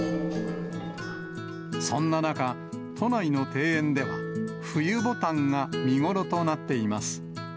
そんな中、都内の庭園では冬ぼたんが見頃となっています。